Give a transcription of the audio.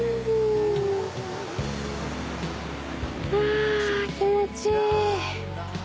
あ気持ちいい！